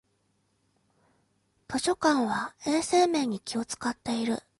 図書館は衛生面に気をつかっている